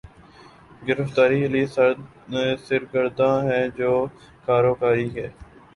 گرفتاری کے لیے سرگرداں ہے جو کاروکاری کے